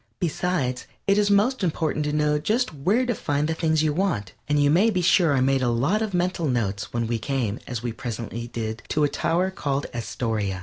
Besides it is most important to know just where to find the things you want, and you may be sure I made a lot of mental notes when we came, as presently we did, to a tower called Astoria.